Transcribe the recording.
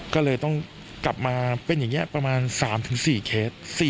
ก็เลยต้องกลับมาเป็นอย่างนี้ประมาณ๓๔เคส